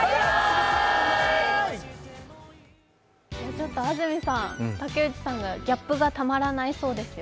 ちょっと安住さん、竹内さんがギャップがたまらないそうですよ。